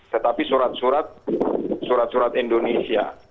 tetapi surat surat indonesia